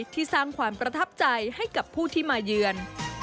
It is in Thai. ที่สร้างความประทับใจให้กับผู้ที่มาเยือน